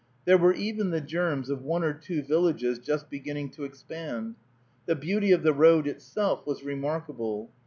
There were even the germs of one or two villages just beginning to expand. The beauty of the road itself was remarkable.